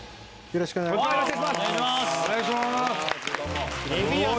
よろしくお願いします